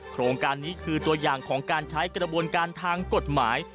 โครงการนี้คือตัวอย่างของการใช้กระบวนการทางกฎหมาย